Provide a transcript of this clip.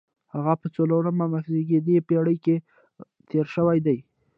هغه په څلورمه مخزېږدي پېړۍ کې تېر شوی دی.